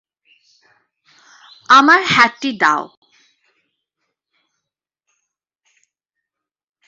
আমার হ্যাটটি দাও।